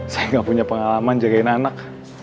saya nggak punya pengalaman jagain anak